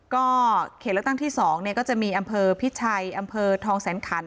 ก็เขตเลือกตั้งที่๒ก็จะมีอำเภอพิชัยอำเภอทองแสนขัน